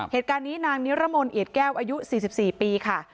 เหตุการณ์นี้นางนิรมนต์เอียดแก้วอายุ๔๔ปีค่ะ